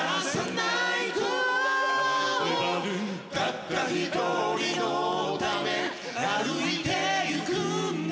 たった一人のため歩いてゆくんだ